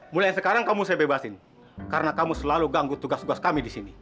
mulai sekarang kamu saya bebasin karena kamu selalu ganggu tugas tugas kami di sini